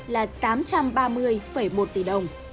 số tiền trả nợ là tám trăm ba mươi một tỷ đồng